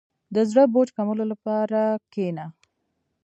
• د زړه بوج کمولو لپاره کښېنه.